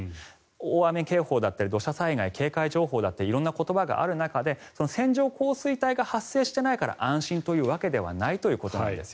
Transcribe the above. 大雨警報だったり土砂災害警戒情報だったり色んな言葉がある中で線状降水帯が発生していないから安心というわけではないということなんです。